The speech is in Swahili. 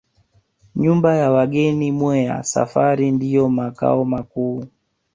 Nyumba ya wageni Mweya Safari ndiyo makao makuu